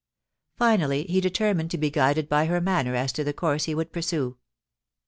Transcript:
Finally he determined to be guided by her manner as to the course he would pursue.